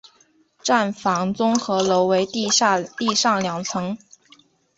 站房综合楼为地上两层。